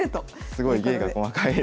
すごい芸が細かい。